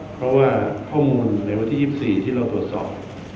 เพราะว่าข้อมูลในวันที่๒๔ที่เราตรวจสอบ